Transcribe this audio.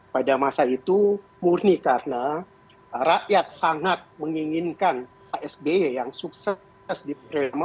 pada masa itu murni karena rakyat sangat menginginkan asb yang sukses di periode pertama